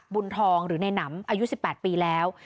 บุญทองหรือในหนำอายุ๑๘ปีแล้ว